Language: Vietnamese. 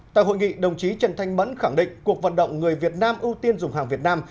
tại hội nghị đồng chí trần thanh mẫn khẳng định cuộc vận động người việt nam ưu tiên dùng hàng việt nam